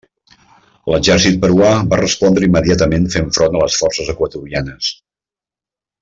L'exèrcit peruà va respondre immediatament fent front a les forces equatorianes.